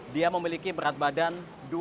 dia memiliki berat badan